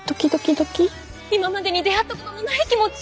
「今までに出会ったことのない気持ち」。